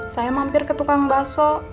saya mampir ke tukang bakso